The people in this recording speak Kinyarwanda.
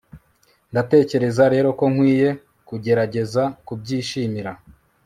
Ndatekereza rero ko nkwiye kugerageza kubyishimira